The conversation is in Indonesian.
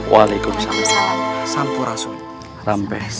waalaikumsalam sampurasun rambes